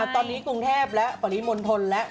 ตอนนี้กรุงเทพและปริมณฑลแล้ว